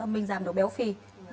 mình giảm độ béo phì